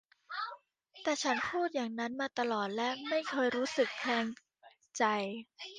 แต่ฉันพูดอย่างนั้นมาตลอดและไม่เคยรู้สึกแคลงใจ